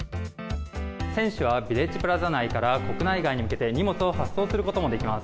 選手はビレッジプラザ内から国内外に向けて荷物を発送することもできます。